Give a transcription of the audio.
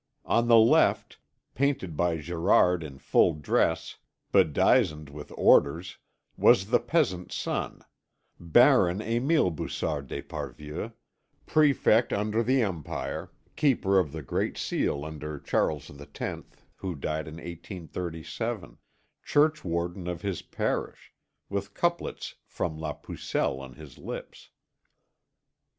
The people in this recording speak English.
On the left, painted by Gérard in full dress bedizened with orders, was the peasant's son, Baron Emile Bussart d'Esparvieu, prefect under the Empire, Keeper of the Great Seal under Charles X, who died in 1837, churchwarden of his parish, with couplets from La Pucelle on his lips.